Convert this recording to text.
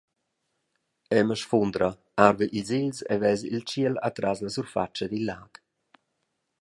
Emma sfundra, arva ils egls e vesa il tschiel atras la surfatscha dil lag.